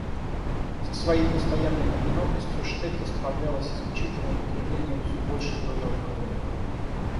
Со своей постоянной одинокостью Штефи справлялась исключительно употреблением всё большей дозы алкоголя.